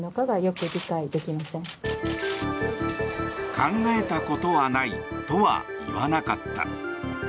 考えたことはないとは言わなかった。